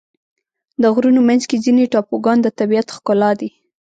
د غرونو منځ کې ځینې ټاپوګان د طبیعت ښکلا دي.